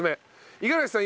五十嵐さん